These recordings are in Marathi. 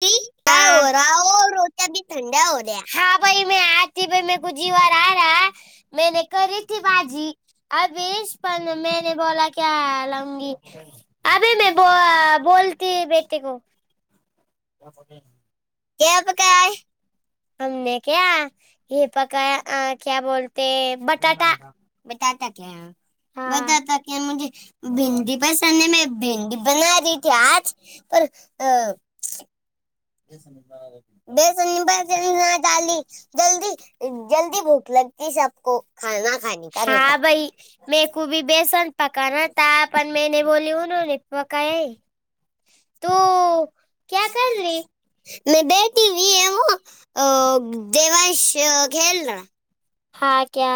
ती काय हो राह त्या [inaudible] हा भाई में आती मे कुी बार बैठा आ रहा करारा मैने करी बेकरी ती की भाजी बाजी. [unintelligible] [unintelligible] ती बीस बोला क्या अबे मैं बो, ब्यक्तीक [inaudible] त्याब काय? हमने क हे पकाया क्या बोलते बटाटा [unintelligible] बताता क [unintelligible] हाँ [unintelligible] अब.. बेसन नि ाली [inaudible] [unintelligible] [unintelligible] तू क्या कर रही मे बेठी हुई हु देवांश खेल रहा हा क्या?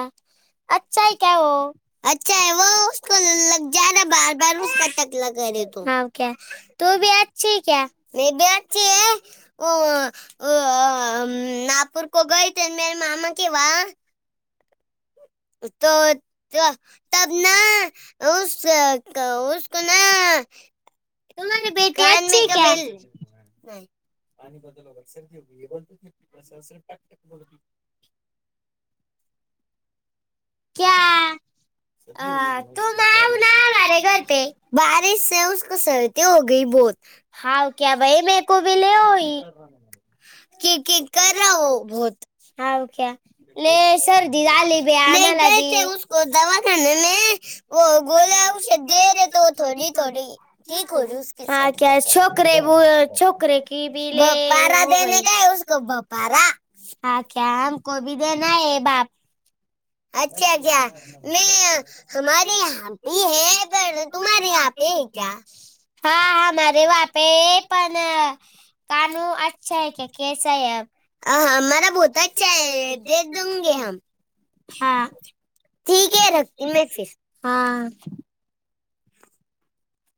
अच्छा हे क्या ओ अच्छा है वो उसको लग जा रहा बार हाव क्या! में तू भी बी अच्छी है क्या अछी हैं. ओ आ नापूर को गये थे मेरे मामा के वहा. तो तबना ऊस उसको ना तुम्हारी बेटी अच्छी क्या [unintelligible] पाणी बदल होगा सर्दी होगी. क्या क्या? आ तु बारिश से उसको सर्दी हो गई बहोत. हाव क्या बाय की की करो बहुत. हाव क्या ले लय सर्दी झाली बी आम्हाला बी उसको दवाखाने मे गोल्या औषध दे थोडी थोडी. ठीक हो उसके हा संग क्या छोकरे बो- छोकरे की बी ले बग बारा हो गई दिने पारा? हा क्या हमको भी देना है बाप अच्छा अच्छा मे हमारी हम्पी हैं पर तुम्हारे तुम्हारे यहाँ यहा हमारे वहा पे पण तनु अच्छा हैं क्या केस हैं अब? हाँ, हमारा बहुत अच्छा है दे दूंगे हम हाँ ठीक हैं रखती मे फिर. हां.